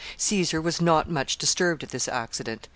Caesar was not much disturbed at this accident.